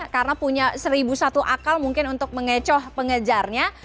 karena punya seribu satu akal mungkin untuk mengecoh pengejarnya